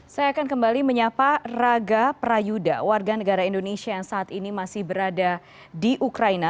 saya akan kembali menyapa raga prayuda warga negara indonesia yang saat ini masih berada di ukraina